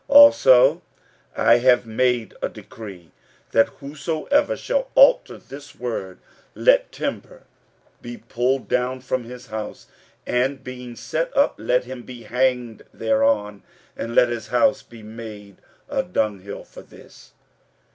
15:006:011 Also I have made a decree, that whosoever shall alter this word, let timber be pulled down from his house, and being set up, let him be hanged thereon; and let his house be made a dunghill for this.